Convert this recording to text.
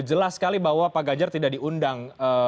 jelas sekali bahwa pak ganjar tidak diundang